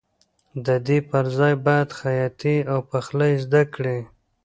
د دې پر ځای باید خیاطي او پخلی زده کړې.